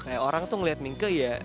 kayak orang tuh ngeliat mingkel ya